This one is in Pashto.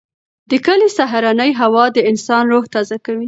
د کلي سهارنۍ هوا د انسان روح تازه کوي.